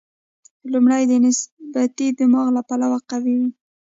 لومړی د نسبتي دماغ له پلوه قوي وي.